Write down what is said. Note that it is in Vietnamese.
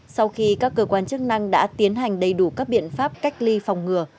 sau khi các cơ quan chức năng đã tiến hành đầy đủ các biện pháp cách ly phòng ngừa